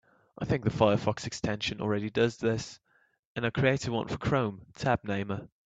I think the Firefox extension already does this, and I created one for Chrome, Tab Namer.